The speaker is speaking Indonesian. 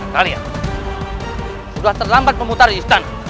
kalian sudah terlambat pemutar istana